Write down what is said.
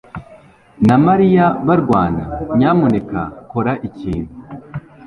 na Mariya barwana. Nyamuneka kora ikintu.